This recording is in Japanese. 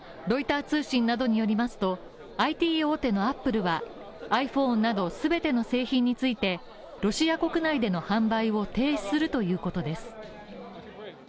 ロイター通信などによりますとＩＴ大手のアップルはｉＰｈｏｎｅなど全ての製品についてロシア国内での販売を停止するということです。